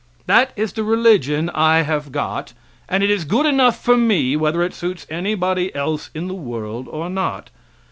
That is the religion I have got, and it is good enough for me whether it suits anybody else in the world or not.